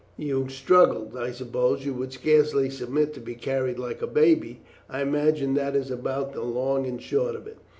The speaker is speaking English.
You struggled, I suppose you would scarcely submit to be carried like a baby I imagine that is about the long and short of it.